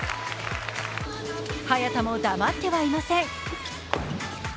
早田も黙ってはいません。